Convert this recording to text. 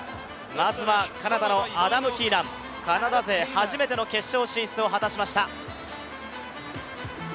まずはカナダのアダム・キーナン、カナダ勢初めての決勝進出を果たしました。